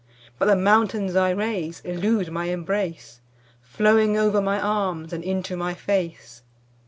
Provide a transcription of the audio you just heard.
But the mountains I raise Elude my embrace, Flowing over my arms And into my face.